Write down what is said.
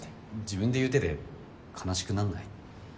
自分で言ってて悲しくなんない？